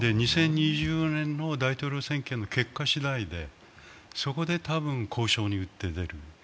２０２４年の大統領選挙の結果しだいでそこでたぶん、交渉に打って出る。